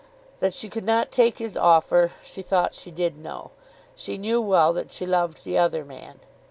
That she could not take his offer, she thought she did know. She knew well that she loved the other man.